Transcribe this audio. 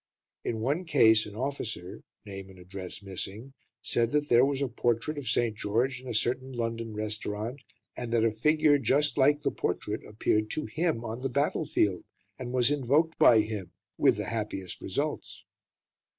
In one case an officer name and address missing said that there was a portrait of St. George in a certain London restaurant, and that a figure, just like the portrait, appeared to him on the battlefield, and was invoked by him, with the happiest results.